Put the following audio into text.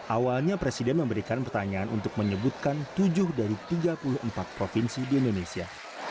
awalnya presiden memberikan pertanyaan untuk menyebutkan tujuh dari tiga puluh empat provinsi di indonesia